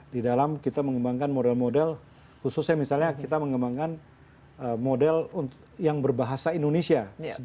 di dalam kita mengembangkan model model khususnya misalnya kita mengembangkan model yang berbahasa indonesia